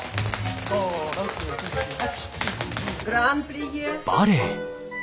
５６７８。